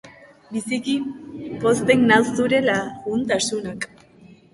Biziki pozten nau zure laguntasunak.